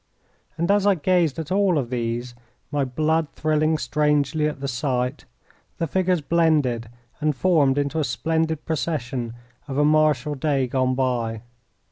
And as I gazed at all of these, my blood thrilling strangely at the sight, the figures blended and formed into a splendid procession of a martial day gone by.